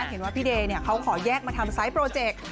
เห็นว่าพี่เดย์เนี่ยเขาขอแยกมาทำสายโปรเจกต์